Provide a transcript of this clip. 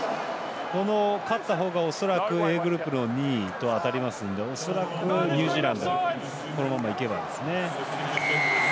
勝った方が恐らくＡグループの２位と当たりますので恐らくニュージーランドこのままいけば。